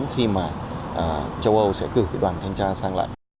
khi mà châu âu sẽ cử cái đoàn thanh tra sang lại